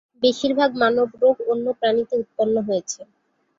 বেশিরভাগ মানব রোগ অন্য প্রাণীতে উৎপন্ন হয়েছে।